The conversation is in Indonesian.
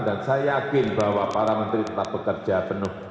dan saya yakin bahwa para menteri tetap bekerja penuh